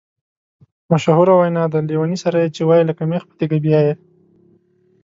مشهوره وینا ده: لېوني سره یې چې وایې لکه مېخ په تیګه بیایې.